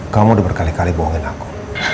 kamu udah berkali kali bohongin aku